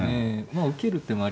まあ受ける手も。